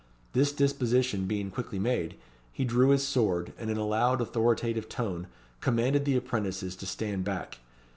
This disposition being quickly made, he drew his sword, and in a loud authoritative tone commanded the apprentices to stand back.